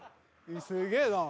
すげぇな。